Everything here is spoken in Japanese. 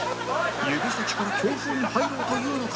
指先から強風に入ろうというのか？